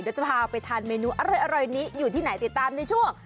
เดี๋ยวจะพาไปทานเมนูอร่อยนี้อยู่ที่ไหนติดตามในช่วง